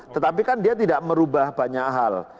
tetapi kan dia tidak merubah banyak hal